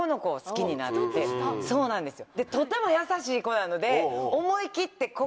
そうなんですよ。